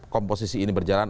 komposisi ini berjalan